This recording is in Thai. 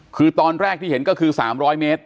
คือตอนแรกที่เห็นก็คือ๓๐๐เมตร